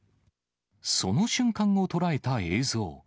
その瞬間を捉えた映像。